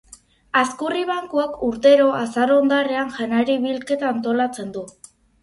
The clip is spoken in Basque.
Hazkurri Bankuak urtero azaro hondarrean janari bilketa antolatzen du.